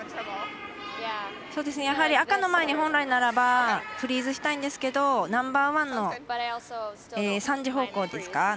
やはり赤の前に本来ならばフリーズしたいんですけどナンバーワンの３時方向ですか。